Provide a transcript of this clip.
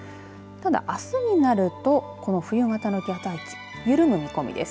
ただ、あすになるとこの冬型の気圧配置緩む見込みです。